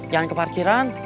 jangan ke parkiran